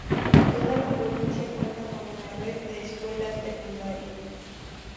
Toda la provincia cuenta con una red de escuelas secundarias.